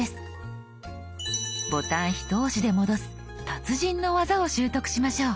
ボタンひと押しで戻す達人の技を習得しましょう。